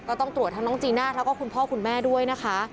ก็ต้องตรวจทั้งน้องจีน่าแล้วก็คุณพ่อคุณแม่ด้วยนะคะ